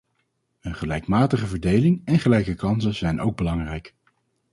Een gelijkmatige verdeling en gelijke kansen zijn ook belangrijk.